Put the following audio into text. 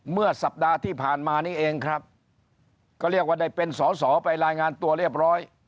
เมื่อสัปดาห์ที่ผ่านมานี้เองครับก็เรียกว่าได้เป็นสอสอไปรายงานตัวเรียบร้อย